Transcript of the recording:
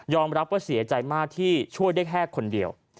รับว่าเสียใจมากที่ช่วยได้แค่คนเดียว